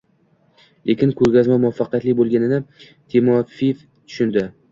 Lekin koʻrgazma muvaffaqiyatli boʻlganini Timofeev tushundi.